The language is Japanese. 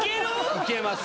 いけます。